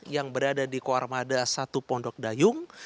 yang berada di koarmada satu pondok dayung